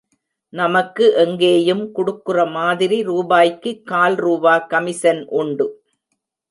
நமக்கு எங்கேயும் குடுக்கிற மாதிரி ரூபாய்க்கு கால் ரூவா கமிசன் உண்டு.